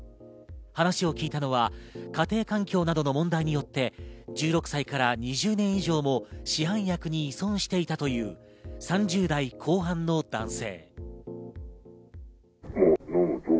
話を聞いたのは家庭環境などの問題によって１６歳から２０年以上も市販薬に依存していたという３０代後半の男性。